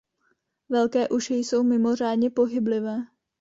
Velké uši jsou mimořádně pohyblivé.